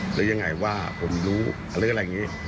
หรือยังไงว่าผมรู้หรืออะไรอย่างนี้